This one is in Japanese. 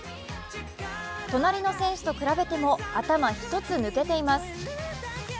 隣の選手と比べても頭一つ抜けています。